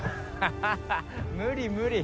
ハハハッ、無理無理。